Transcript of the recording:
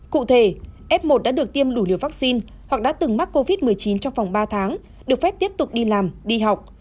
cụ thể f một đã được tiêm đủ liều vaccine hoặc đã từng mắc covid một mươi chín trong vòng ba tháng được phép tiếp tục đi làm đi học